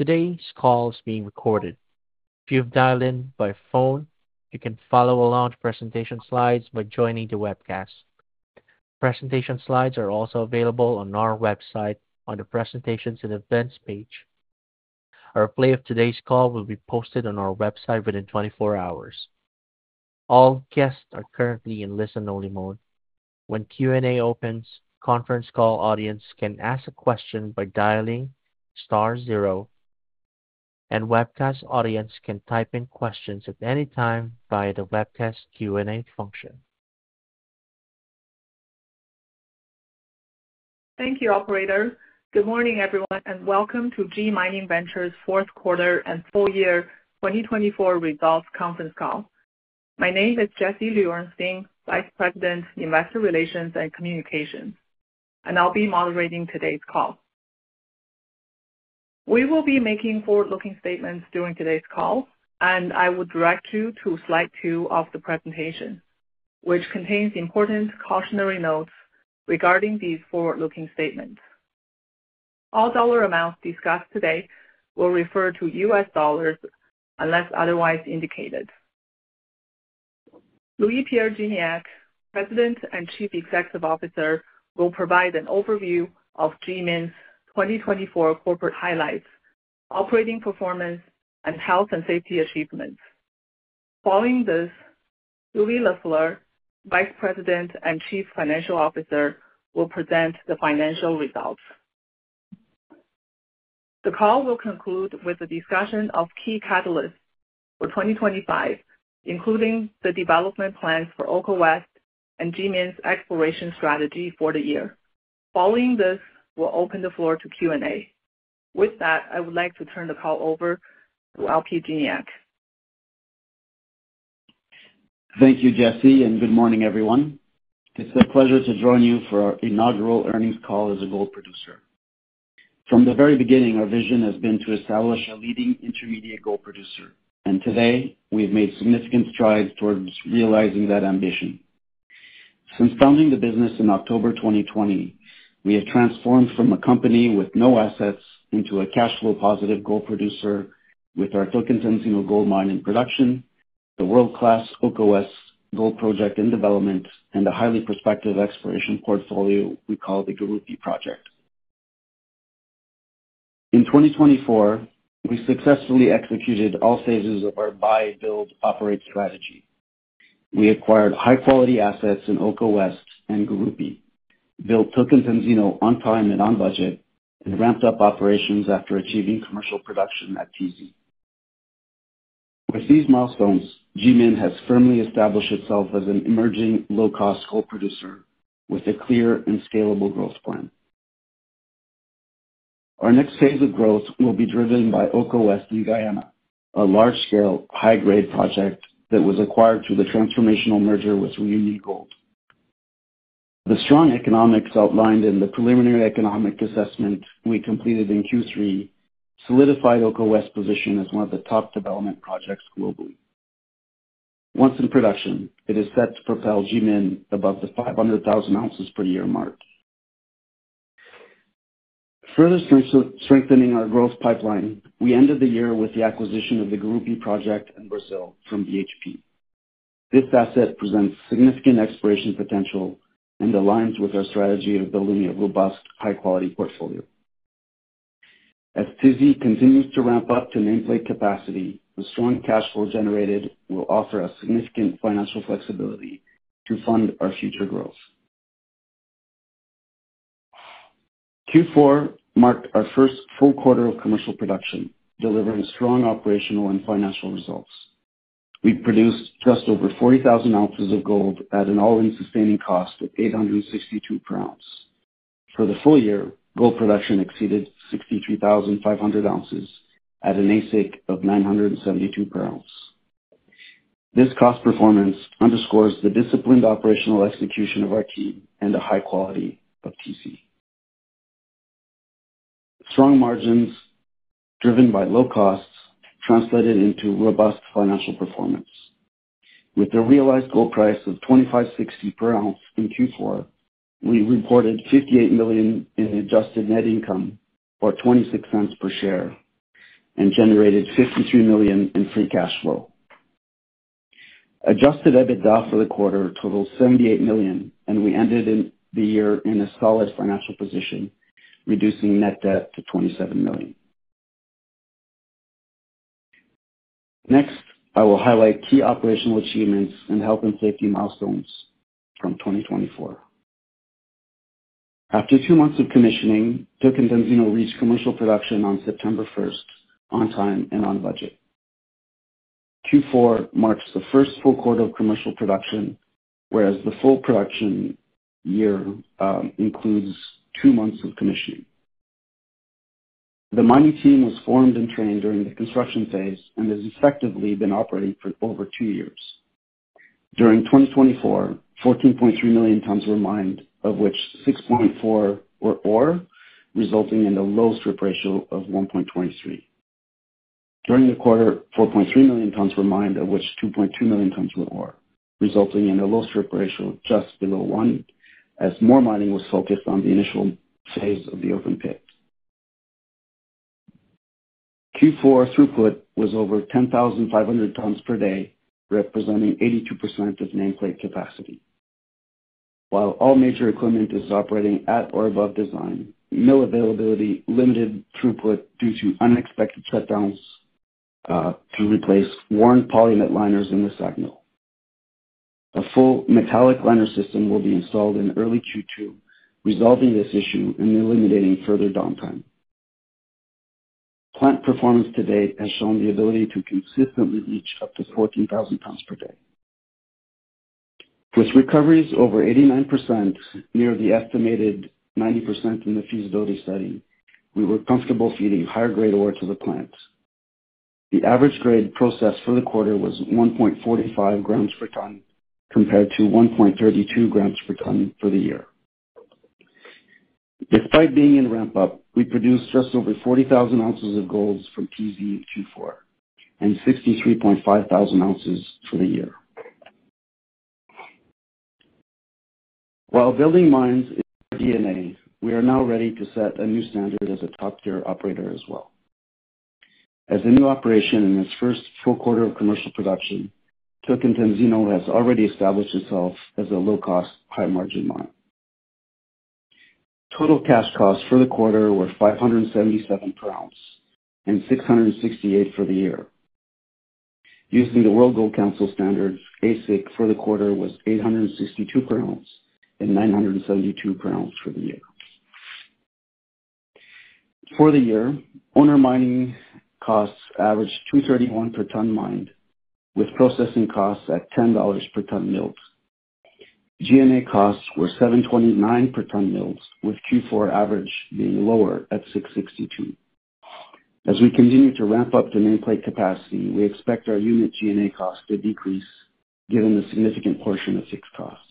Today's call is being recorded. If you've dialed in by phone, you can follow along to presentation slides by joining the webcast. Presentation slides are also available on our website on the Presentations and Events page. A replay of today's call will be posted on our website within 24 hours. All guests are currently in listen-only mode. When Q&A opens, conference call audience can ask a question by dialing star zero, and webcast audience can type in questions at any time via the webcast Q&A function. Thank you, Operator. Good morning, everyone, and welcome to G Mining Ventures' fourth quarter and full-year 2024 results conference call. My name is Jessie Liu-Ernsting, Vice President, Investor Relations and Communications, and I'll be moderating today's call. We will be making forward-looking statements during today's call, and I would direct you to slide two of the presentation, which contains important cautionary notes regarding these forward-looking statements. All dollar amounts discussed today will refer to U.S. Dollars unless otherwise indicated. Louis-Pierre Gignac, President and Chief Executive Officer, will provide an overview of G Mining Ventures' 2024 corporate highlights, operating performance, and health and safety achievements. Following this, Julie Lafleur, Vice President and Chief Financial Officer, will present the financial results. The call will conclude with a discussion of key catalysts for 2025, including the development plans for Oko West and G Mining Ventures' exploration strategy for the year. Following this, we'll open the floor to Q&A. With that, I would like to turn the call over to Louis-Pierre Gignac. Thank you, Jessie, and good morning, everyone. It's a pleasure to join you for our inaugural earnings call as a gold producer. From the very beginning, our vision has been to establish a leading intermediate gold producer, and today we've made significant strides towards realizing that ambition. Since founding the business in October 2020, we have transformed from a company with no assets into a cash flow positive gold producer with our Tocantinzinho Gold Mine in production, the world-class Oko West gold project in development, and a highly prospective exploration portfolio we call the Gurupi Project. In 2024, we successfully executed all phases of our buy, build, operate strategy. We acquired high-quality assets in Oko West and Gurupi, built Tocantinzinho on time and on budget, and ramped up operations after achieving commercial production at TZ. With these milestones, G Mining Ventures has firmly established itself as an emerging low-cost gold producer with a clear and scalable growth plan. Our next phase of growth will be driven by Oko West in Guyana, a large-scale, high-grade project that was acquired through the transformational merger with Reunion Gold. The strong economics outlined in the preliminary economic assessment we completed in Q3 solidified Oko West's position as one of the top development projects globally. Once in production, it is set to propel G Mining Ventures above the 500,000 ounces per year mark. Further strengthening our growth pipeline, we ended the year with the acquisition of the Gurupi Project in Brazil from BHP. This asset presents significant exploration potential and aligns with our strategy of building a robust, high-quality portfolio. As TZ continues to ramp up to nameplate capacity, the strong cash flow generated will offer us significant financial flexibility to fund our future growth. Q4 marked our first full quarter of commercial production, delivering strong operational and financial results. We produced just over 40,000 ounces of gold at an all-in sustaining cost of $862 per ounce. For the full-year, gold production exceeded 63,500 ounces at an AISC of $972 per ounce. This cost performance underscores the disciplined operational execution of our team and the high quality of TZ. Strong margins driven by low costs translated into robust financial performance. With a realized gold price of $2,560 per ounce in Q4, we reported $58 million in adjusted net income or $0.26 per share and generated $53 million in free cash flow. Adjusted EBITDA for the quarter totaled $78 million, and we ended the year in a solid financial position, reducing net debt to $27 million. Next, I will highlight key operational achievements and health and safety milestones from 2024. After two months of commissioning, Tocantinzinho reached commercial production on September 1st on time and on budget. Q4 marks the first full quarter of commercial production, whereas the full production year includes two months of commissioning. The mining team was formed and trained during the construction phase and has effectively been operating for over two years. During 2024, 14.3 million tons were mined, of which 6.4 million were ore, resulting in a low strip ratio of 1.23. During the quarter, 4.3 million tons were mined, of which 2.2 million tons were ore, resulting in a low strip ratio just below one, as more mining was focused on the initial phase of the open pit. Q4 throughput was over 10,500 tons per day, representing 82% of nameplate capacity. While all major equipment is operating at or above design, mill availability limited throughput due to unexpected shutdowns to replace worn polyamide liners in the SAG mill. A full metallic liner system will be installed in early Q2, resolving this issue and eliminating further downtime. Plant performance to date has shown the ability to consistently reach up to 14,000 tons per day. With recoveries over 89% near the estimated 90% in the feasibility study, we were comfortable feeding higher grade ore to the plant. The average grade processed for the quarter was 1.45 grams per ton compared to 1.32 grams per ton for the year. Despite being in ramp-up, we produced just over 40,000 ounces of gold from TZ in Q4 and 63,500 ounces for the year. While building mines is our DNA, we are now ready to set a new standard as a top-tier operator as well. As a new operation in its first full quarter of commercial production, Tocantinzinho has already established itself as a low-cost, high-margin mine. Total cash costs for the quarter were $577 per ounce and $668 for the year. Using the World Gold Council standards, AISC for the quarter was $862 per ounce and $972 per ounce for the year. For the year, owner mining costs averaged $231 per ton mined, with processing costs at $10 per ton milled. G&A costs were $729 per ton milled, with Q4 average being lower at $662. As we continue to ramp up to nameplate capacity, we expect our unit G&A costs to decrease given the significant portion of fixed costs.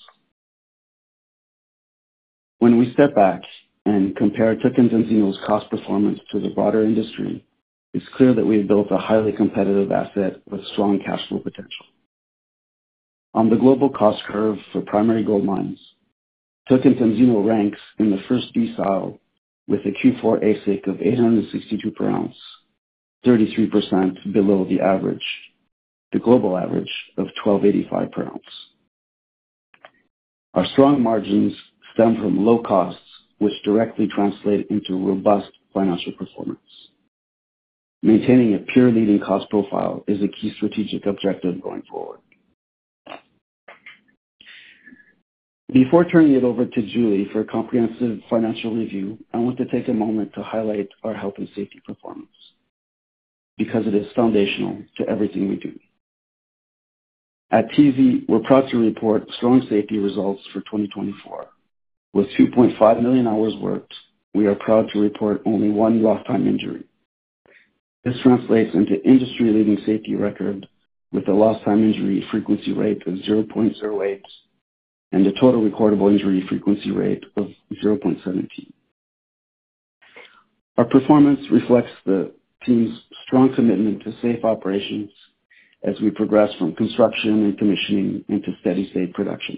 When we step back and compare Tocantinzinho's cost performance to the broader industry, it's clear that we have built a highly competitive asset with strong cash flow potential. On the global cost curve for primary gold mines, Tocantinzinho ranks in the first decile with a Q4 AISC of $862 per ounce, 33% below the global average of $1,285 per ounce. Our strong margins stem from low costs, which directly translate into robust financial performance. Maintaining a pure leading cost profile is a key strategic objective going forward. Before turning it over to Julie for a comprehensive financial review, I want to take a moment to highlight our health and safety performance because it is foundational to everything we do. At TZ, we're proud to report strong safety results for 2024. With 2.5 million hours worked, we are proud to report only one lost-time injury. This translates into industry-leading safety record, with a lost-time injury frequency rate of 0.08 and a total recordable injury frequency rate of 0.17. Our performance reflects the team's strong commitment to safe operations as we progress from construction and commissioning into steady-state production.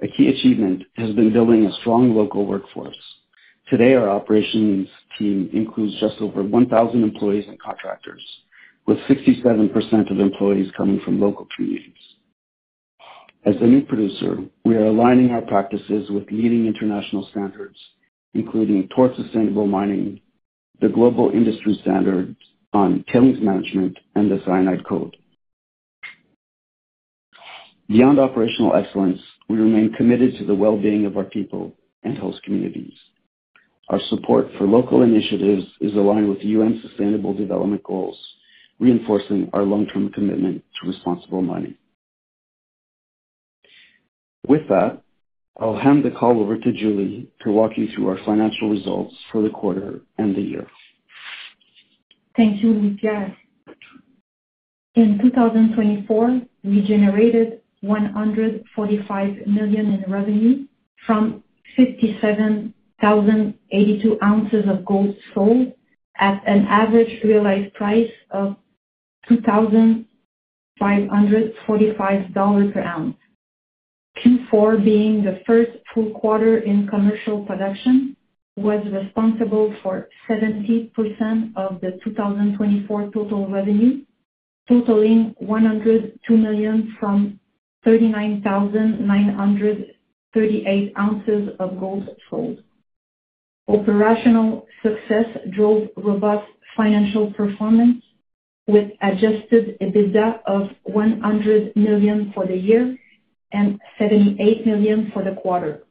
A key achievement has been building a strong local workforce. Today, our operations team includes just over 1,000 employees and contractors, with 67% of employees coming from local communities. As a new producer, we are aligning our practices with leading international standards, including Towards Sustainable Mining, the Global Industry Standard on Tailings Management, and the Cyanide Code. Beyond operational excellence, we remain committed to the well-being of our people and host communities. Our support for local initiatives is aligned with UN Sustainable Development Goals, reinforcing our long-term commitment to responsible mining. With that, I'll hand the call over to Julie to walk you through our financial results for the quarter and the year. Thank you, Louis-Pierre. In 2024, we generated $145 million in revenue from 57,082 ounces of gold sold at an average realized price of $2,545 per ounce. Q4, being the first full quarter in commercial production, was responsible for 70% of the 2024 total revenue, totaling $102 million from 39,938 ounces of gold sold. Operational success drove robust financial performance, with Adjusted EBITDA of $100 million for the year and $78 million for the quarter.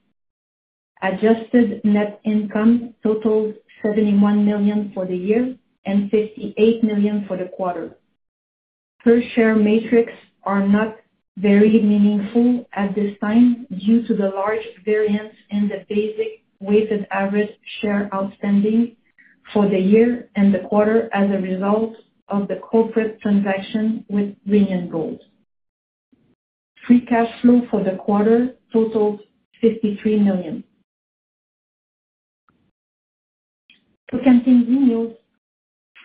Adjusted net income totaled $71 million for the year and $58 million for the quarter. Per-share metrics are not very meaningful at this time due to the large variance in the basic weighted average shares outstanding for the year and the quarter as a result of the corporate transaction with Reunion Gold. Free cash flow for the quarter totaled $53 million. Tocantinzinho's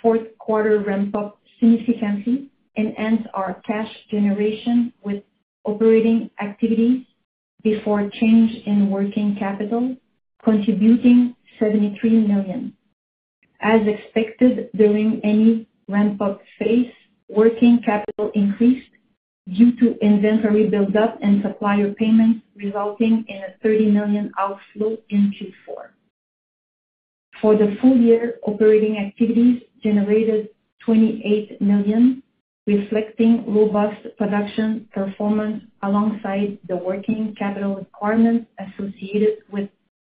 fourth quarter ramp-up significantly enhanced our cash generation with operating activities before change in working capital, contributing $73 million. As expected during any ramp-up phase, working capital increased due to inventory build-up and supplier payments, resulting in a $30 million outflow in Q4. For the full-year, operating activities generated $28 million, reflecting robust production performance alongside the working capital requirements associated with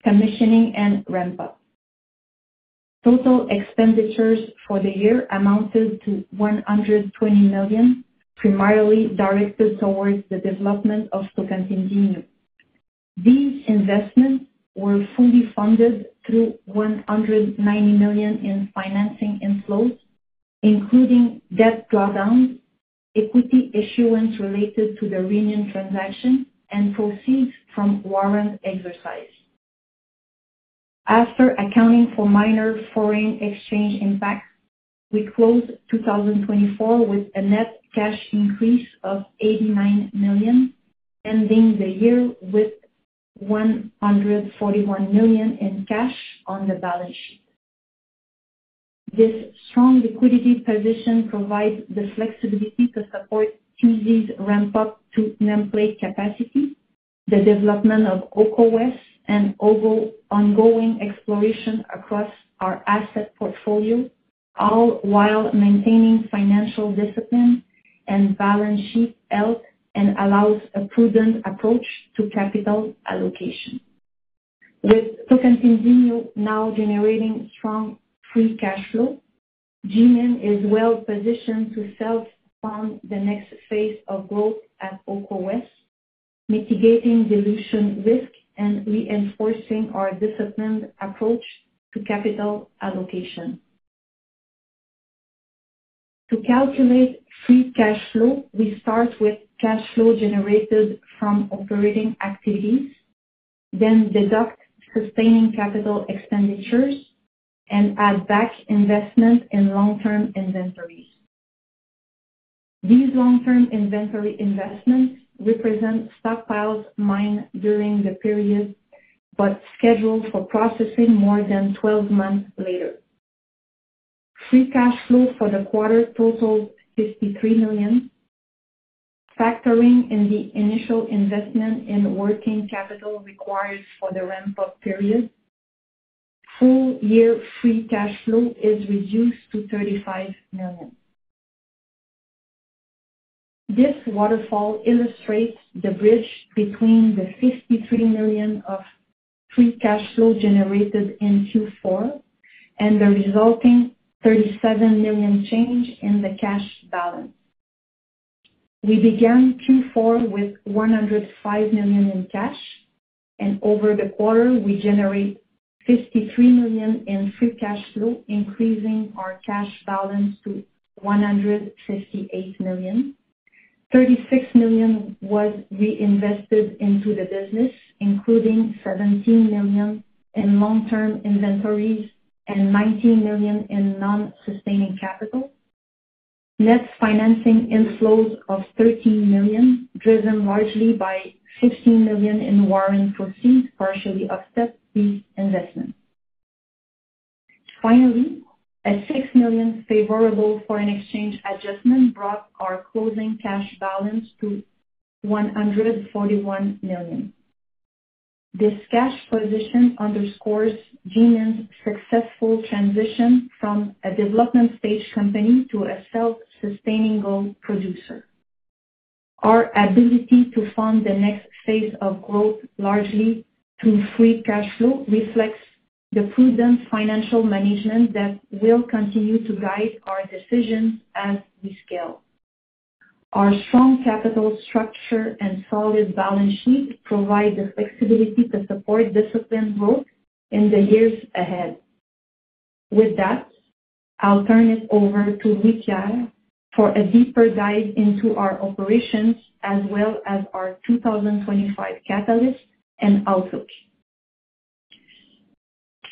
commissioning and ramp-up. Total expenditures for the year amounted to $120 million, primarily directed towards the development of Tocantinzinho. These investments were fully funded through $190 million in financing inflows, including debt drawdowns, equity issuance related to the Reunion Gold transaction, and proceeds from warrant exercise. After accounting for minor foreign exchange impacts, we closed 2024 with a net cash increase of $89 million, ending the year with $141 million in cash on the balance sheet. This strong liquidity position provides the flexibility to support TZ's ramp-up to nameplate capacity, the development of Oko West, and ongoing exploration across our asset portfolio, all while maintaining financial discipline and balance sheet health and allows a prudent approach to capital allocation. With Tocantinzinho now generating strong free cash flow, G Mining Ventures is well positioned to self-fund the next phase of growth at Oko West, mitigating dilution risk and reinforcing our disciplined approach to capital allocation. To calculate free cash flow, we start with cash flow generated from operating activities, then deduct sustaining capital expenditures, and add back investment in long-term inventories. These long-term inventory investments represent stockpiles mined during the period but scheduled for processing more than 12 months later. Free cash flow for the quarter totals $53 million. Factoring in the initial investment in working capital required for the ramp-up period, full-year free cash flow is reduced to $35 million. This waterfall illustrates the bridge between the $53 million of free cash flow generated in Q4 and the resulting $37 million change in the cash balance. We began Q4 with $105 million in cash, and over the quarter, we generate $53 million in free cash flow, increasing our cash balance to $158 million. $36 million was reinvested into the business, including $17 million in long-term inventories and $19 million in non-sustaining capital. Net financing inflows of $13 million, driven largely by $15 million in warrant proceeds, partially offset these investments. Finally, a $6 million favorable foreign exchange adjustment brought our closing cash balance to $141 million. This cash position underscores G Mining Ventures' successful transition from a development-stage company to a self-sustaining gold producer. Our ability to fund the next phase of growth, largely through free cash flow, reflects the prudent financial management that will continue to guide our decisions as we scale. Our strong capital structure and solid balance sheet provide the flexibility to support disciplined growth in the years ahead. With that, I'll turn it over to Louis-Pierre for a deeper dive into our operations, as well as our 2025 catalyst and outlook.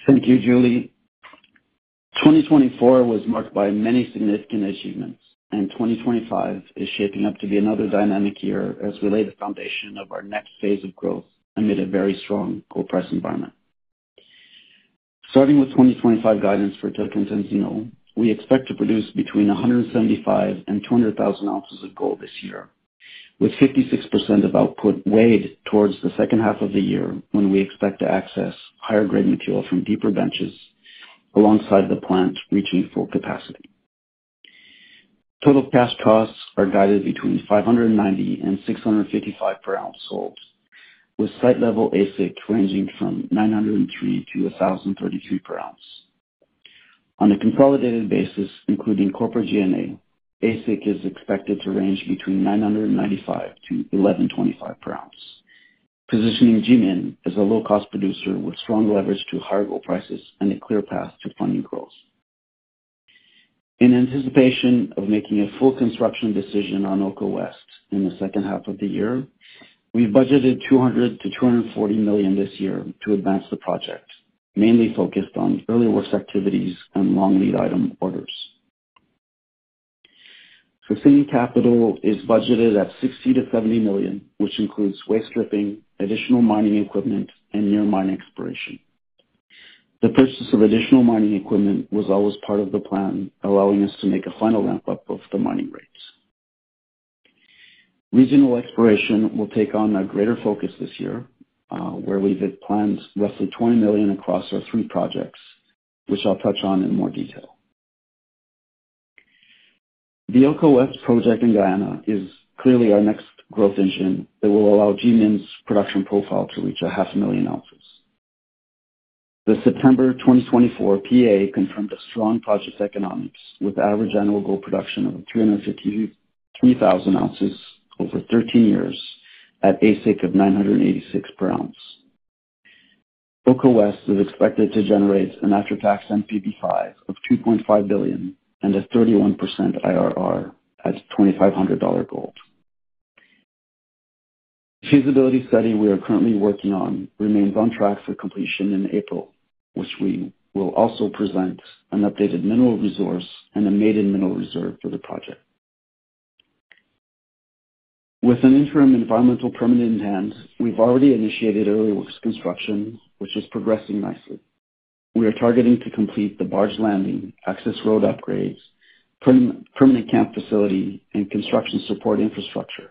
Thank you, Julie. 2024 was marked by many significant achievements, and 2025 is shaping up to be another dynamic year as we lay the foundation of our next phase of growth amid a very strong gold price environment. Starting with 2025 guidance for Tocantinzinho, we expect to produce between 175,000 and 200,000 ounces of gold this year, with 56% of output weighted towards the second half of the year when we expect to access higher-grade material from deeper benches alongside the plant reaching full capacity. Total cash costs are guided between $590 and $655 per ounce sold, with site-level AISC ranging from $903-$1,033 per ounce. On a consolidated basis, including corporate G&A, AISC is expected to range between $995-$1,125 per ounce, positioning G Mining Ventures as a low-cost producer with strong leverage to higher gold prices and a clear path to funding growth. In anticipation of making a full construction decision on Oko West in the second half of the year, we budgeted $200 million-$240 million this year to advance the project, mainly focused on early works activities and long lead item orders. Sustaining capital is budgeted at $60 million-$70 million, which includes waste stripping, additional mining equipment, and near-mine exploration. The purchase of additional mining equipment was always part of the plan, allowing us to make a final ramp-up of the mining rates. Regional exploration will take on a greater focus this year, where we've planned roughly $20 million across our three projects, which I'll touch on in more detail. The Oko West project in Guyana is clearly our next growth engine that will allow G Mining Ventures' production profile to reach 500,000 ounces. The September 2024 PEA confirmed strong project economics, with average annual gold production of 353,000 ounces over 13 years at AISC of $986 per ounce. Oko West is expected to generate an after-tax NPV5% of $2.5 billion and a 31% IRR at $2,500 gold. The feasibility study we are currently working on remains on track for completion in April, which will also present an updated mineral resource and a maiden mineral reserve for the project. With an interim environmental permit in hand, we've already initiated early works construction, which is progressing nicely. We are targeting to complete the barge landing, access road upgrades, permanent camp facility, and construction support infrastructure,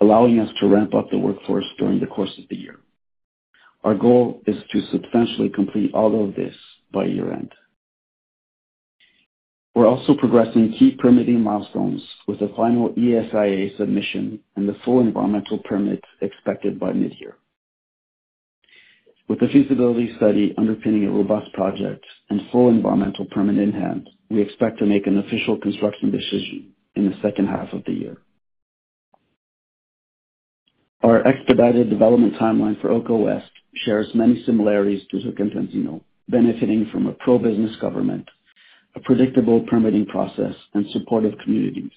allowing us to ramp up the workforce during the course of the year. Our goal is to substantially complete all of this by year-end. We're also progressing key permitting milestones with a final ESIA submission and the full environmental permit expected by mid-year. With the feasibility study underpinning a robust project and full environmental permit in hand, we expect to make an official construction decision in the second half of the year. Our expedited development timeline for Oko West shares many similarities to Tocantinzinho, benefiting from a pro-business government, a predictable permitting process, and supportive communities.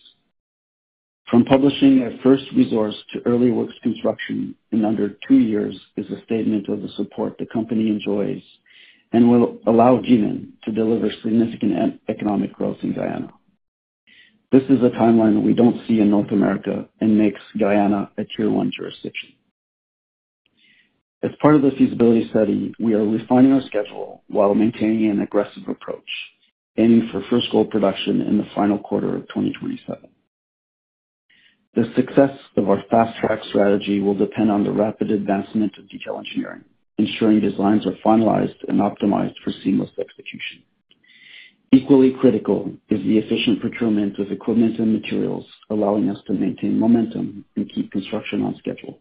From publishing a first resource to early works construction in under two years is a statement of the support the company enjoys and will allow G Mining Ventures to deliver significant economic growth in Guyana. This is a timeline we don't see in North America and makes Guyana a Tier 1 jurisdiction. As part of the feasibility study, we are refining our schedule while maintaining an aggressive approach, aiming for first gold production in the final quarter of 2027. The success of our fast-track strategy will depend on the rapid advancement of detail engineering, ensuring designs are finalized and optimized for seamless execution. Equally critical is the efficient procurement of equipment and materials, allowing us to maintain momentum and keep construction on schedule.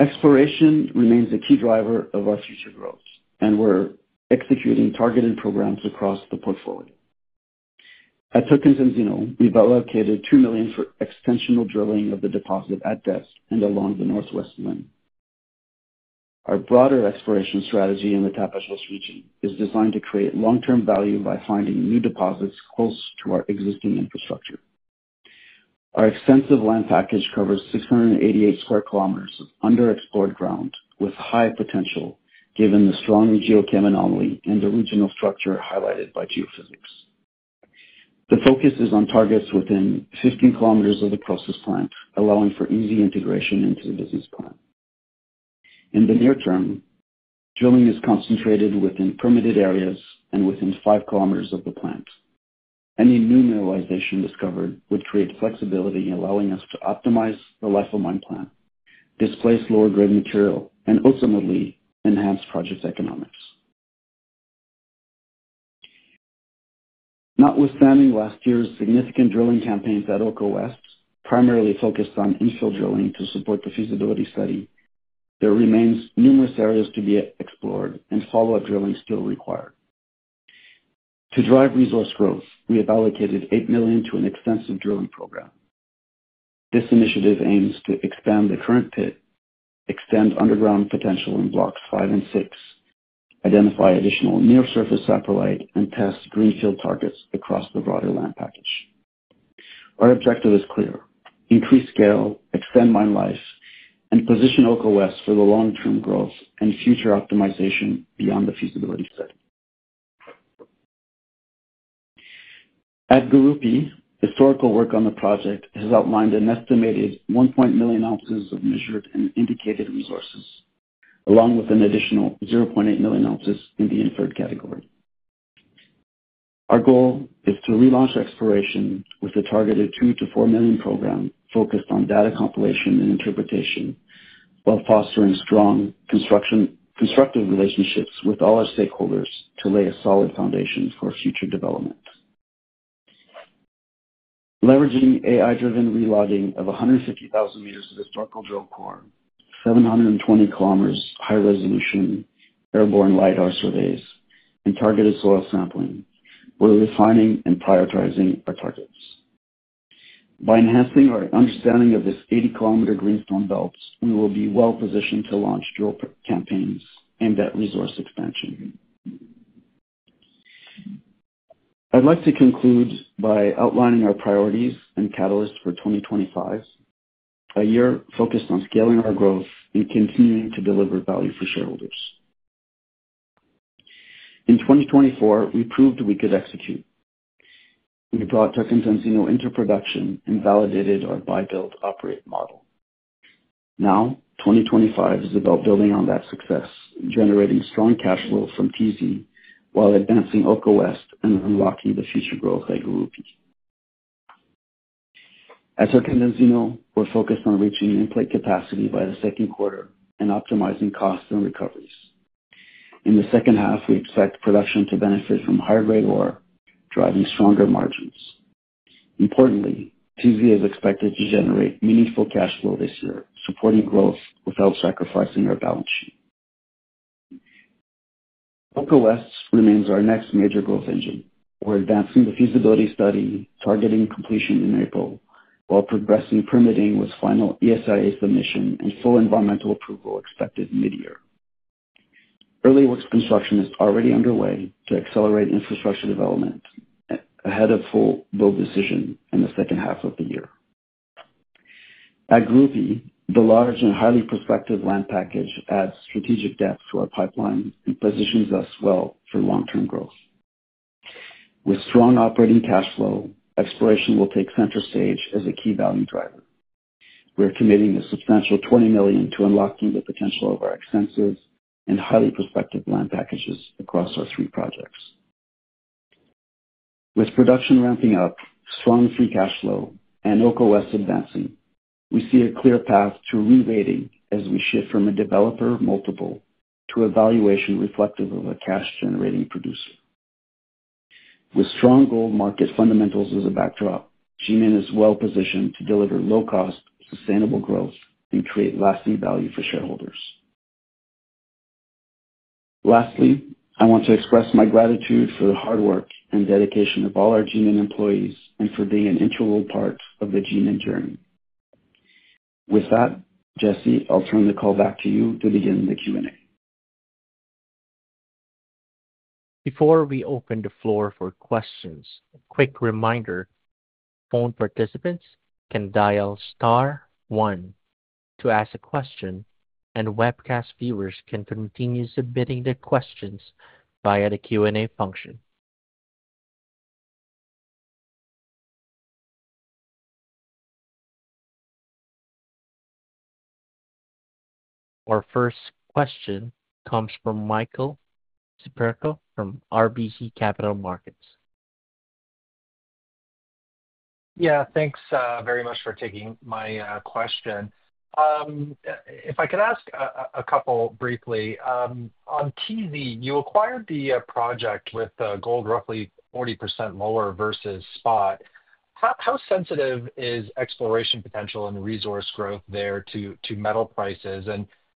Exploration remains a key driver of our future growth, and we're executing targeted programs across the portfolio. At Tocantinzinho, we've allocated $2 million for extensional drilling of the deposit at depth and along the northwest limb. Our broader exploration strategy in the Tapajós region is designed to create long-term value by finding new deposits close to our existing infrastructure. Our extensive land package covers 688 sq km of underexplored ground with high potential, given the strong geochem anomaly and the regional structure highlighted by geophysics. The focus is on targets within 15 km of the process plant, allowing for easy integration into the business plan. In the near term, drilling is concentrated within permitted areas and within 5 km of the plant. Any new mineralization discovered would create flexibility, allowing us to optimize the life of mine plant, displace lower-grade material, and ultimately enhance project economics. Notwithstanding last year's significant drilling campaigns at Oko West, primarily focused on infill drilling to support the feasibility study, there remain numerous areas to be explored and follow-up drilling still required. To drive resource growth, we have allocated $8 million to an extensive drilling program. This initiative aims to expand the current pit, extend underground potential in Blocks 5 and 6, identify additional near-surface saprolite, and test greenfield targets across the broader land package. Our objective is clear: increase scale, extend mine life, and position Oko West for the long-term growth and future optimization beyond the feasibility study. At Gurupi, historical work on the project has outlined an estimated 1.1 million ounces of measured and indicated resources, along with an additional 0.8 million ounces in the inferred category. Our goal is to relaunch exploration with a targeted $2 million-$4 million program focused on data compilation and interpretation while fostering strong constructive relationships with all our stakeholders to lay a solid foundation for future development. Leveraging AI-driven relogging of 150,000 meters of historical drill core, 720 km high-resolution airborne LiDAR surveys, and targeted soil sampling, we're refining and prioritizing our targets. By enhancing our understanding of this 80 km greenstone belt, we will be well positioned to launch drill campaigns aimed at resource expansion. I'd like to conclude by outlining our priorities and catalysts for 2025, a year focused on scaling our growth and continuing to deliver value for shareholders. In 2024, we proved we could execute. We brought Tocantinzinho into production and validated our buy-build-operate model. Now, 2025 is about building on that success, generating strong cash flow from TZ while advancing Oko West and unlocking the future growth at Gurupi. At Tocantinzinho, we're focused on reaching nameplate capacity by the second quarter and optimizing costs and recoveries. In the second half, we expect production to benefit from higher-grade ore, driving stronger margins. Importantly, TZ is expected to generate meaningful cash flow this year, supporting growth without sacrificing our balance sheet. Oko West remains our next major growth engine. We're advancing the feasibility study, targeting completion in April, while progressing permitting with final ESIA submission and full environmental approval expected mid-year. Early works construction is already underway to accelerate infrastructure development ahead of full build decision in the second half of the year. At Gurupi, the large and highly prospective land package adds strategic depth to our pipeline and positions us well for long-term growth. With strong operating cash flow, exploration will take center stage as a key value driver. We're committing a substantial $20 million to unlocking the potential of our extensive and highly prospective land packages across our three projects. With production ramping up, strong free cash flow, and Oko West advancing, we see a clear path to re-rating as we shift from a developer multiple to a valuation reflective of a cash-generating producer. With strong gold market fundamentals as a backdrop, G Mining Ventures is well positioned to deliver low-cost, sustainable growth and create lasting value for shareholders. Lastly, I want to express my gratitude for the hard work and dedication of all our G Mining Ventures employees and for being an integral part of the G Mining Ventures journey. With that, Jessie, I'll turn the call back to you to begin the Q&A. Before we open the floor for questions, a quick reminder: phone participants can dial star one to ask a question, and webcast viewers can continue submitting their questions via the Q&A function. Our first question comes from Michael Siperco from RBC Capital Markets. Yeah, thanks very much for taking my question. If I could ask a couple briefly, on TZ, you acquired the project with gold roughly 40% lower versus spot. How sensitive is exploration potential and resource growth there to metal prices?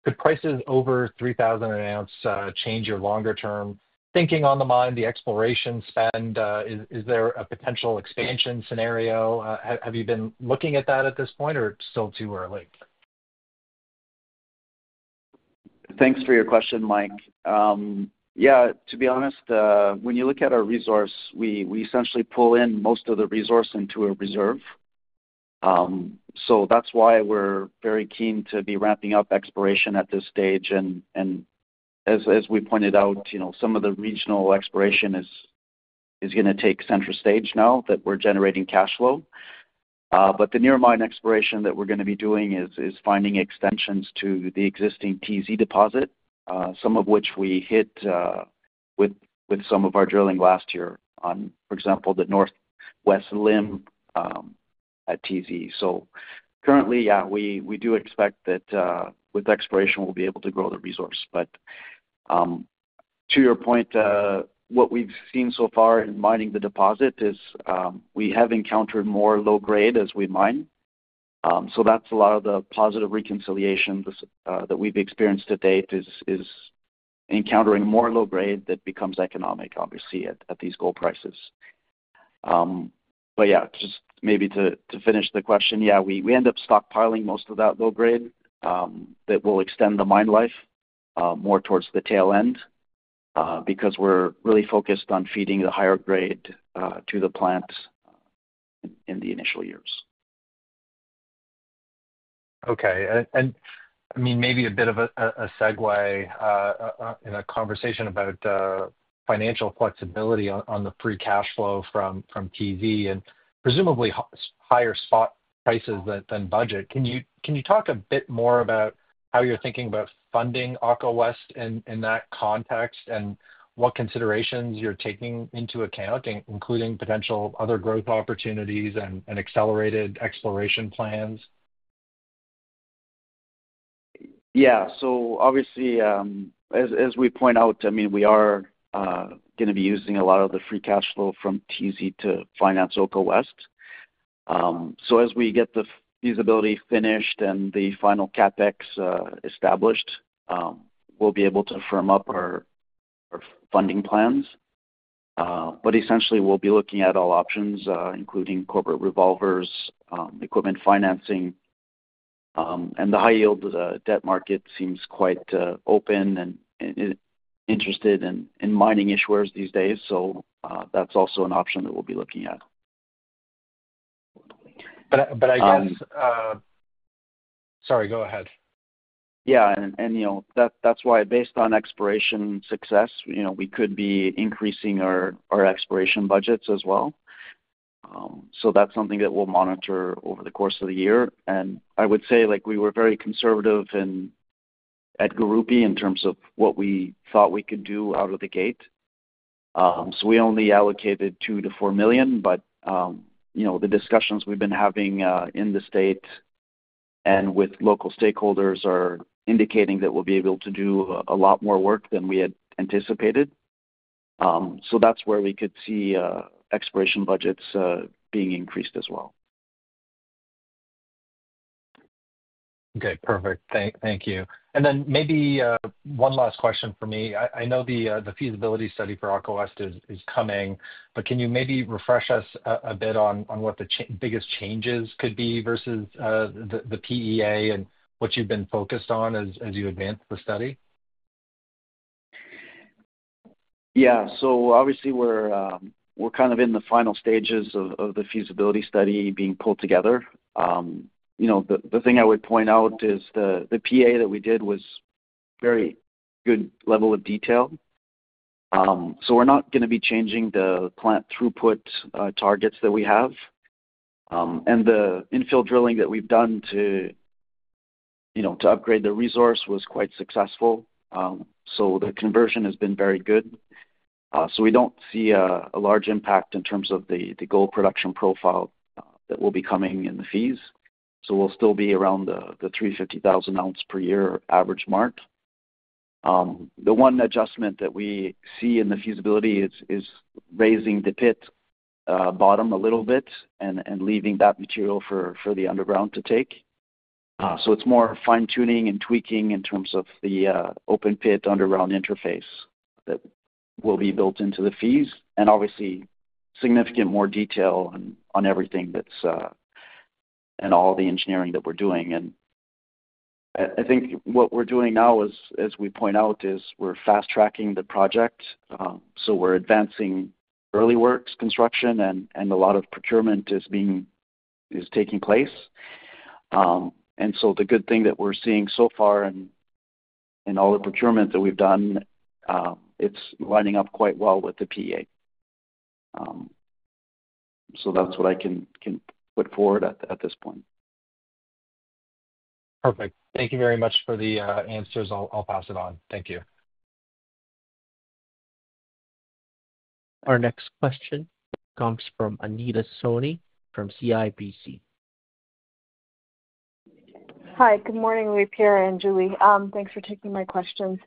Could prices over $3,000 an ounce change your longer-term thinking on the mine, the exploration spend? Is there a potential expansion scenario? Have you been looking at that at this point, or it's still too early? Thanks for your question, Mike. Yeah, to be honest, when you look at our resource, we essentially pull in most of the resource into a reserve. That's why we're very keen to be ramping up exploration at this stage. As we pointed out, some of the regional exploration is going to take center stage now that we're generating cash flow. The near-mine exploration that we're going to be doing is finding extensions to the existing TZ deposit, some of which we hit with some of our drilling last year on, for example, the northwest limb at TZ. Currently, yeah, we do expect that with exploration, we'll be able to grow the resource. To your point, what we've seen so far in mining the deposit is we have encountered more low-grade as we mine. A lot of the positive reconciliation that we've experienced to date is encountering more low-grade that becomes economic, obviously, at these gold prices. Just maybe to finish the question, yeah, we end up stockpiling most of that low-grade that will extend the mine life more towards the tail end because we're really focused on feeding the higher grade to the plant in the initial years. Okay. I mean, maybe a bit of a segue in a conversation about financial flexibility on the free cash flow from TZ and presumably higher spot prices than budget. Can you talk a bit more about how you're thinking about funding Oko West in that context and what considerations you're taking into account, including potential other growth opportunities and accelerated exploration plans? Yeah. So obviously, as we point out, I mean, we are going to be using a lot of the free cash flow from TZ to finance Oko West. As we get the feasibility finished and the final CapEx established, we'll be able to firm up our funding plans. Essentially, we'll be looking at all options, including corporate revolvers, equipment financing. The high-yield debt market seems quite open and interested in mining issuers these days. That is also an option that we'll be looking at. I guess. And. Sorry, go ahead. Yeah. That is why, based on exploration success, we could be increasing our exploration budgets as well. That is something that we will monitor over the course of the year. I would say we were very conservative at Gurupi in terms of what we thought we could do out of the gate. We only allocated $2 million-$4 million. The discussions we have been having in the state and with local stakeholders are indicating that we will be able to do a lot more work than we had anticipated. That is where we could see exploration budgets being increased as well. Okay. Perfect. Thank you. Maybe one last question for me. I know the feasibility study for Oko West is coming, but can you maybe refresh us a bit on what the biggest changes could be versus the PEA and what you've been focused on as you advance the study? Yeah. Obviously, we're kind of in the final stages of the feasibility study being pulled together. The thing I would point out is the PEA that we did was very good level of detail. We're not going to be changing the plant throughput targets that we have. The infill drilling that we've done to upgrade the resource was quite successful. The conversion has been very good. We don't see a large impact in terms of the gold production profile that will be coming in the feasibility. We'll still be around the 350,000 ounce per year average mark. The one adjustment that we see in the feasibility is raising the pit bottom a little bit and leaving that material for the underground to take. It is more fine-tuning and tweaking in terms of the open pit underground interface that will be built into the Feas and obviously significant more detail on everything that is and all the engineering that we are doing. I think what we are doing now, as we point out, is we are fast-tracking the project. We are advancing early works construction, and a lot of procurement is taking place. The good thing that we are seeing so far in all the procurement that we have done, it is lining up quite well with the PEA. That is what I can put forward at this point. Perfect. Thank you very much for the answers. I'll pass it on. Thank you. Our next question comes from Anita Soni from CIBC. Hi. Good morning, Louis-Pierre and Julie. Thanks for taking my questions.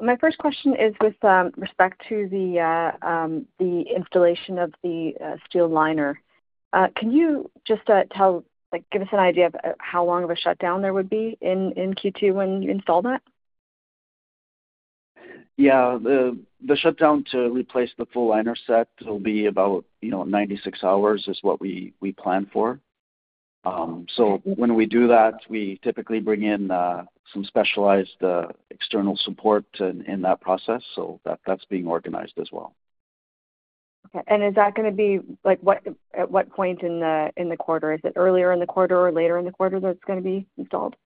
My first question is with respect to the installation of the steel liner. Can you just give us an idea of how long of a shutdown there would be in Q2 when you install that? Yeah. The shutdown to replace the full liner set will be about 96 hours is what we plan for. When we do that, we typically bring in some specialized external support in that process. That is being organized as well. Okay. Is that going to be at what point in the quarter? Is it earlier in the quarter or later in the quarter that it's going to be installed?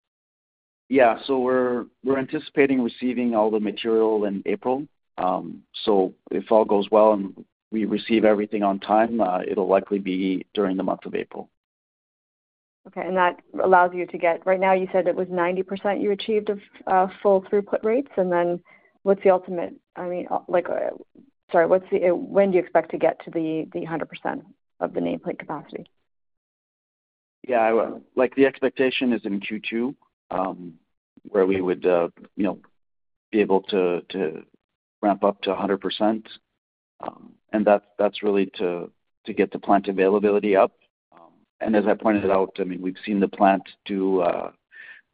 Yeah. We are anticipating receiving all the material in April. If all goes well and we receive everything on time, it will likely be during the month of April. Okay. That allows you to get right now, you said it was 90% you achieved of full throughput rates. I mean, sorry, when do you expect to get to the 100% of the nameplate capacity? Yeah. The expectation is in Q2, where we would be able to ramp up to 100%. That is really to get the plant availability up. As I pointed out, I mean, we have seen the plant do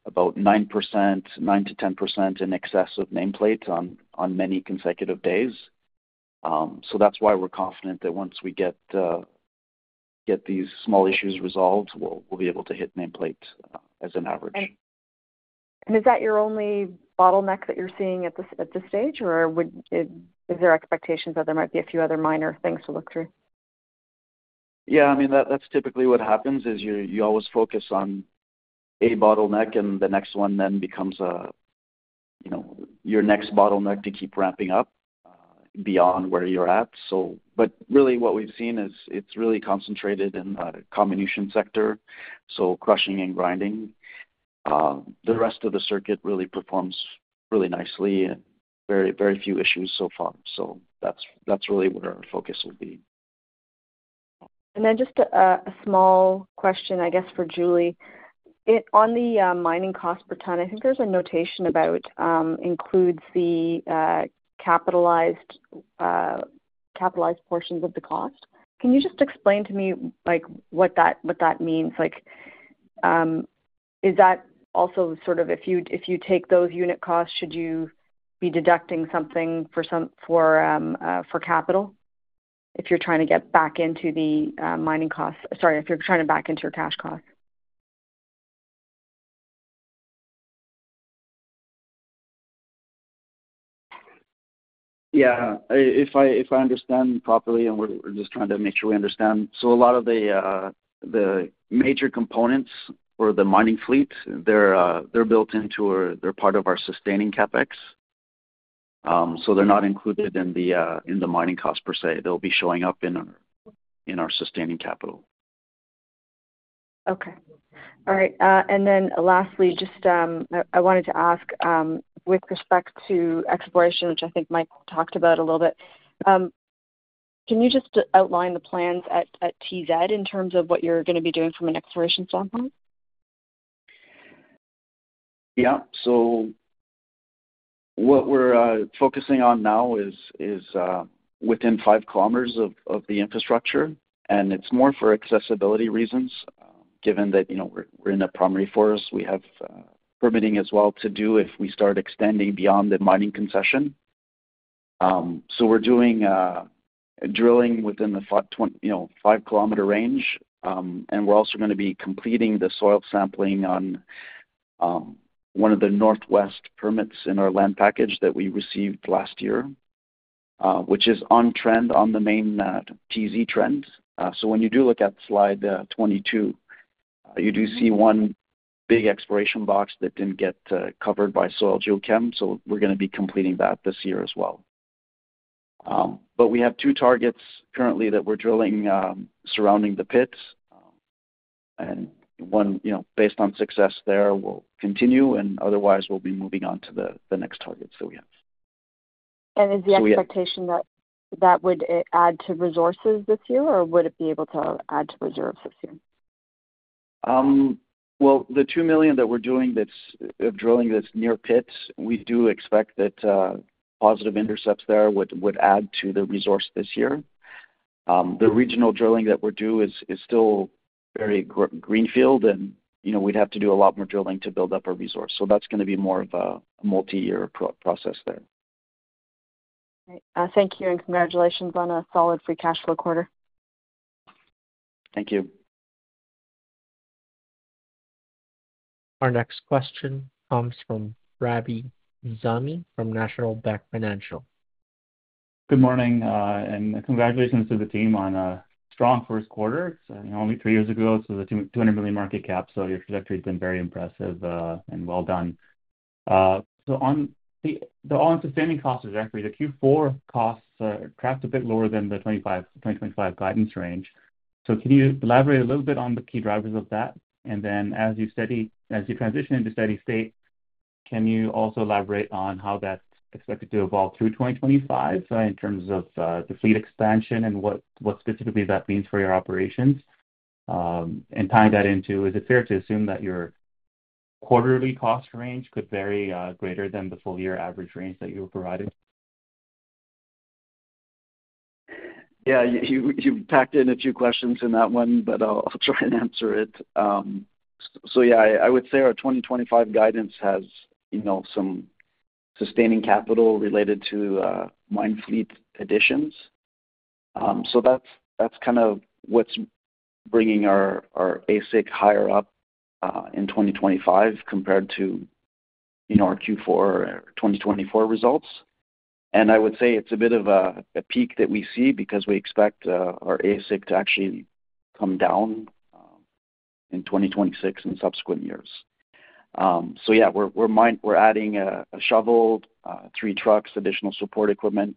about 9%-10% in excess of nameplate on many consecutive days. That is why we are confident that once we get these small issues resolved, we will be able to hit nameplate as an average. Is that your only bottleneck that you're seeing at this stage? Or is there expectations that there might be a few other minor things to look through? Yeah. I mean, that's typically what happens is you always focus on a bottleneck, and the next one then becomes your next bottleneck to keep ramping up beyond where you're at. What we've seen is it's really concentrated in the comminution sector, so crushing and grinding. The rest of the circuit really performs really nicely and very few issues so far. That's really where our focus will be. Just a small question, I guess, for Julie. On the mining cost per ton, I think there's a notation about includes the capitalized portions of the cost. Can you just explain to me what that means? Is that also sort of if you take those unit costs, should you be deducting something for capital if you're trying to get back into the mining costs—sorry, if you're trying to back into your cash costs? Yeah. If I understand properly, and we're just trying to make sure we understand, a lot of the major components for the mining fleet, they're built into or they're part of our sustaining CapEx. They're not included in the mining costs per se. They'll be showing up in our sustaining capital. Okay. All right. Lastly, I wanted to ask with respect to exploration, which I think Mike talked about a little bit, can you just outline the plans at TZ in terms of what you're going to be doing from an exploration standpoint? Yeah. What we're focusing on now is within 5 km of the infrastructure. It's more for accessibility reasons, given that we're in a primary forest. We have permitting as well to do if we start extending beyond the mining concession. We're doing drilling within the 5-km range. We're also going to be completing the soil sampling on one of the northwest permits in our land package that we received last year, which is on-trend on the main TZ trend. When you do look at slide 22, you see one big exploration box that didn't get covered by soil geochem. We're going to be completing that this year as well. We have two targets currently that we're drilling surrounding the pits. Based on success there, we'll continue. Otherwise, we'll be moving on to the next targets that we have. Is the expectation that that would add to resources this year, or would it be able to add to reserves this year? The 2 million that we're doing of drilling that's near pits, we do expect that positive intercepts there would add to the resource this year. The regional drilling that we do is still very greenfield. We'd have to do a lot more drilling to build up our resource. That's going to be more of a multi-year process there. Thank you. Congratulations on a solid free cash flow quarter. Thank you. Our next question comes from Rabi Nizami from National Bank Financial. Good morning. Congratulations to the team on a strong first quarter. It is only three years ago, so the $200 million market cap. Your trajectory has been very impressive and well done. On the all-in sustaining cost trajectory, the Q4 costs tracked a bit lower than the 2025 guidance range. Can you elaborate a little bit on the key drivers of that? As you transition into steady state, can you also elaborate on how that is expected to evolve through 2025 in terms of the fleet expansion and what specifically that means for your operations? Tying that into, is it fair to assume that your quarterly cost range could vary greater than the full-year average range that you were providing? Yeah. You tacked in a few questions in that one, but I'll try and answer it. Yeah, I would say our 2025 guidance has some sustaining capital related to mine fleet additions. That's kind of what's bringing our AISC higher up in 2025 compared to our Q4 or 2024 results. I would say it's a bit of a peak that we see because we expect our AISC to actually come down in 2026 and subsequent years. Yeah, we're adding a shovel, three trucks, additional support equipment.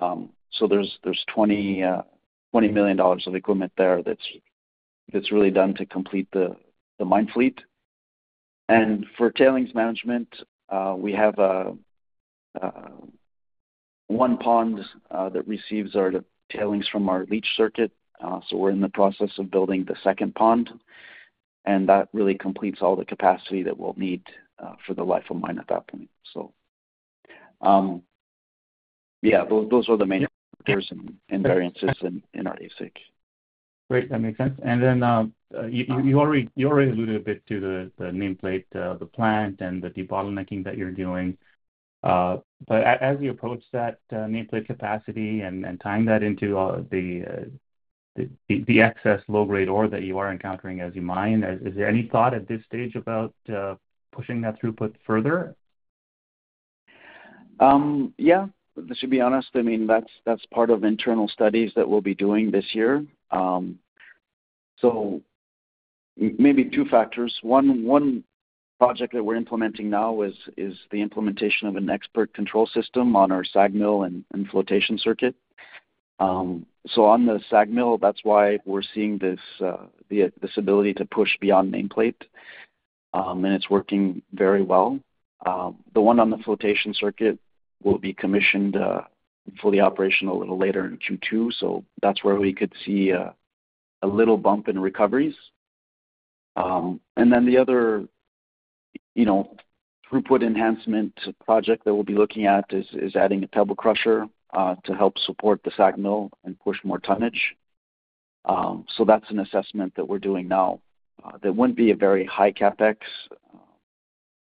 There's $20 million of equipment there that's really done to complete the mine fleet. For tailings management, we have one pond that receives our tailings from our leach circuit. We're in the process of building the second pond. That really completes all the capacity that we'll need for the life of mine at that point. Yeah, those are the main variables and variances in our AISC. Great. That makes sense. You already alluded a bit to the nameplate, the plant, and the debottlenecking that you're doing. As you approach that nameplate capacity and tying that into the excess low-grade ore that you are encountering as you mine, is there any thought at this stage about pushing that throughput further? Yeah. To be honest, I mean, that's part of internal studies that we'll be doing this year. Maybe two factors. One project that we're implementing now is the implementation of an expert control system on our SAG mill and flotation circuit. On the SAG mill, that's why we're seeing this ability to push beyond nameplate. It's working very well. The one on the flotation circuit will be commissioned fully operational a little later in Q2. That's where we could see a little bump in recoveries. The other throughput enhancement project that we'll be looking at is adding a pebble crusher to help support the SAG mill and push more tonnage. That's an assessment that we're doing now. That wouldn't be a very high CapEx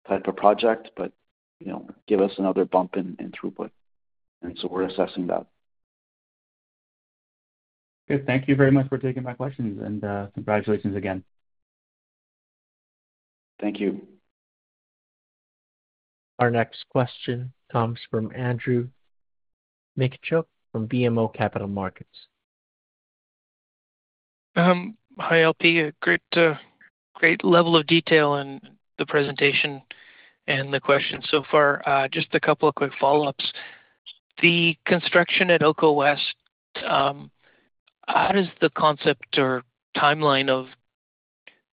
type of project, but give us another bump in throughput. We're assessing that. Good. Thank you very much for taking my questions. Congratulations again. Thank you. Our next question comes from Andrew Mikitchook from BMO Capital Markets. Hi, LP. Great level of detail in the presentation and the questions so far. Just a couple of quick follow-ups. The construction at Oko West, how does the concept or timeline of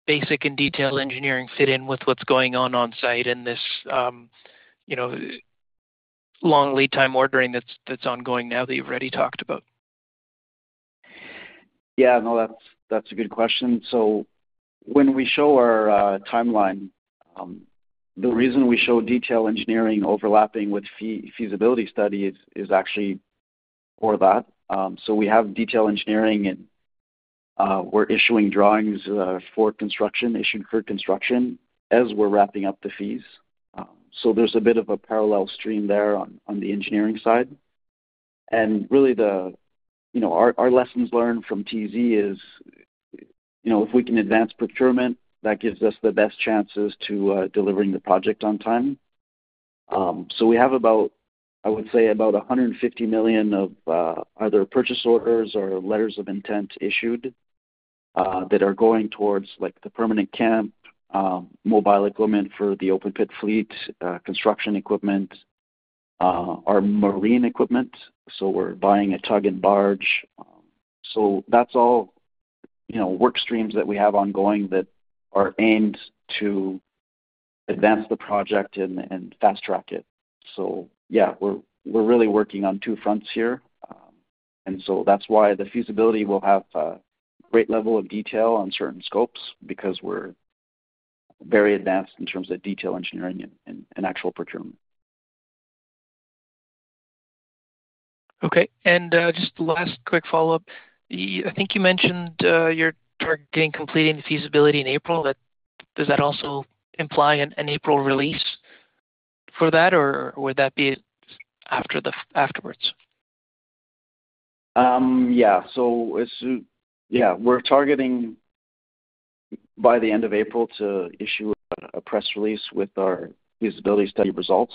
basic and detail engineering fit in with what's going on on-site in this long lead time ordering that's ongoing now that you've already talked about? Yeah. No, that's a good question. When we show our timeline, the reason we show detail engineering overlapping with feasibility studies is actually for that. We have detail engineering, and we're issuing drawings for construction, issued for construction as we're wrapping up the fees. There's a bit of a parallel stream there on the engineering side. Really, our lessons learned from TZ is if we can advance procurement, that gives us the best chances to deliver the project on time. We have about, I would say, about $150 million of either purchase orders or letters of intent issued that are going towards the permanent camp, mobile equipment for the open pit fleet, construction equipment, our marine equipment. We're buying a tug and barge. That's all work streams that we have ongoing that are aimed to advance the project and fast-track it. Yeah, we're really working on two fronts here. That is why the feasibility will have a great level of detail on certain scopes because we're very advanced in terms of detail engineering and actual procurement. Okay. Just the last quick follow-up. I think you mentioned you're getting complete in feasibility in April. Does that also imply an April release for that, or would that be afterwards? Yeah. Yeah, we're targeting by the end of April to issue a press release with our feasibility study results.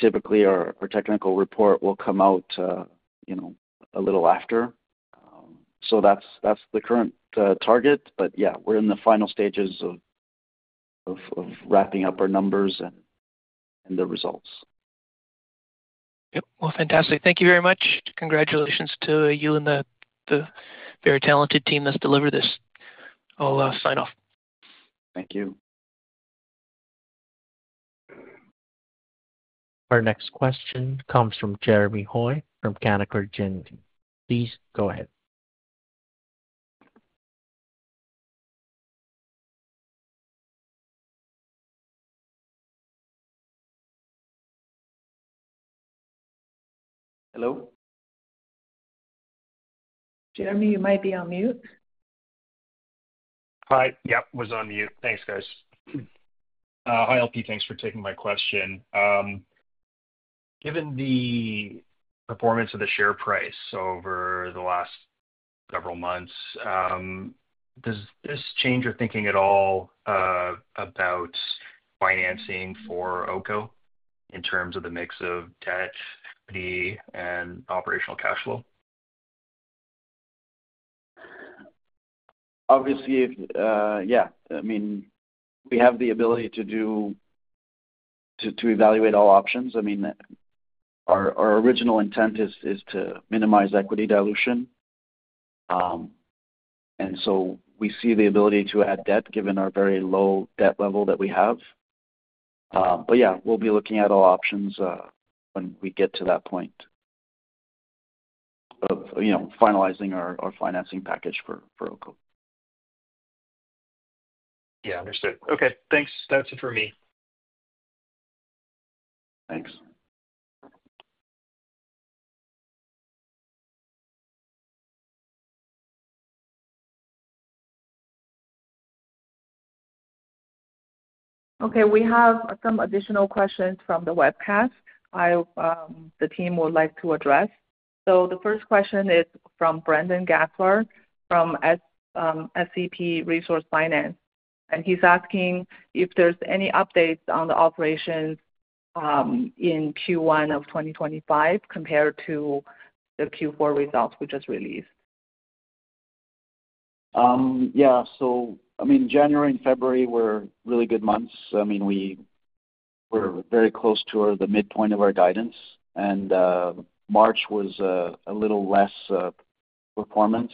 Typically, our technical report will come out a little after. That's the current target. Yeah, we're in the final stages of wrapping up our numbers and the results. Fantastic. Thank you very much. Congratulations to you and the very talented team that's delivered this. I'll sign off. Thank you. Our next question comes from Jeremy Hoy from Canaccord Genuity. Please go ahead. Hello? Jeremy, you might be on mute. Hi. Yep, was on mute. Thanks, guys. Hi, LP. Thanks for taking my question. Given the performance of the share price over the last several months, does this change your thinking at all about financing for Oko in terms of the mix of debt, equity, and operational cash flow? Obviously, yeah. I mean, we have the ability to evaluate all options. I mean, our original intent is to minimize equity dilution. We see the ability to add debt given our very low debt level that we have. Yeah, we'll be looking at all options when we get to that point of finalizing our financing package for Oko. Yeah. Understood. Okay. Thanks. That's it for me. Thanks. Okay. We have some additional questions from the webcast the team would like to address. The first question is from Brandon Gaspar from SCP Resource Finance. He's asking if there's any updates on the operations in Q1 of 2025 compared to the Q4 results we just released. Yeah. I mean, January and February were really good months. I mean, we were very close to the midpoint of our guidance. March was a little less performance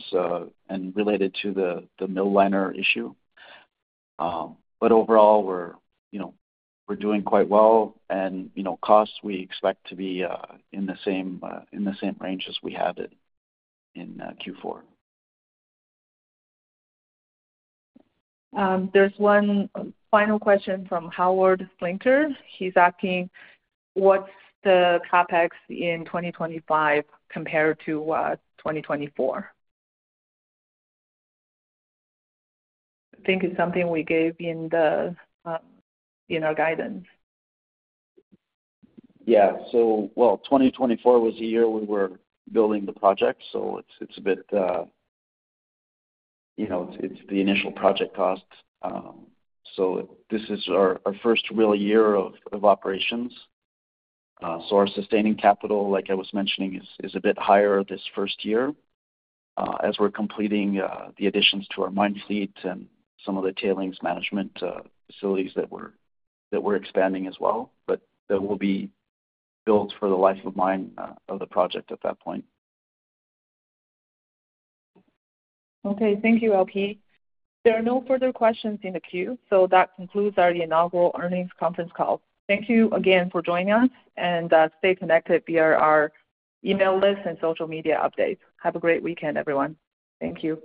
and related to the mill liner issue. Overall, we're doing quite well. Costs, we expect to be in the same range as we had in Q4. There's one final question from Howard Flinker. He's asking, what's the CapEx in 2025 compared to 2024? I think it's something we gave in our guidance. Yeah. 2024 was the year we were building the project. It is the initial project cost. This is our first real year of operations. Our sustaining capital, like I was mentioning, is a bit higher this first year as we're completing the additions to our mine fleet and some of the tailings management facilities that we're expanding as well. That will be built for the life of mine of the project at that point. Okay. Thank you, LP. There are no further questions in the queue. That concludes our inaugural earnings conference call. Thank you again for joining us. Stay connected via our email list and social media updates. Have a great weekend, everyone. Thank you.